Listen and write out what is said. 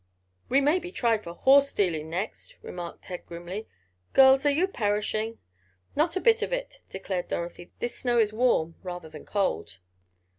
"We may be tried for horse stealing next," remarked Ted, grimly. "Girls, are you perishing?" "Not a bit of it," declared Dorothy. "This snow is warm rather than cold."